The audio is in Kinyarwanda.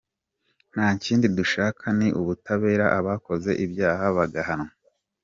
Nta kindi dushaka ni ubutabera abakoze ibyaha bagahanwa.